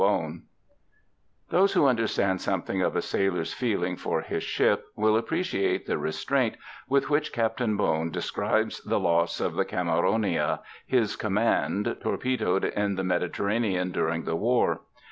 BONE Those who understand something of a sailor's feeling for his ship will appreciate the restraint with which Captain Bone describes the loss of the Cameronia, his command, torpedoed in the Mediterranean during the War.